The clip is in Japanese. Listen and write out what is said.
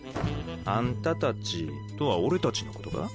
「あんたたち」とは俺たちのことか？